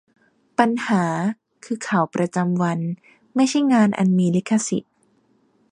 'ปัญหา' คือ ข่าวประจำวัน ไม่ใช่งานอันมีลิขสิทธิ์